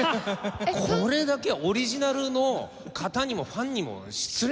これだけはオリジナルの方にもファンにも失礼なんですよ。